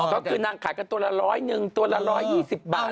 อ๋อก็คือนั่งขายกันตัวละร้อยหนึ่งตัวละร้อยยี่สิบบาท